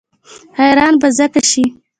حیران به ځکه شي.